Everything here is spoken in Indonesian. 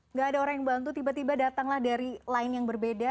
nggak ada orang yang bantu tiba tiba datanglah dari line yang berbeda